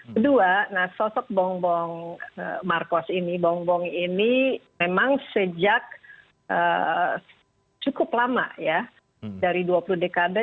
kedua sosok bongbong marcos ini bongbong ini memang sejak cukup lama ya dari dua puluh dekade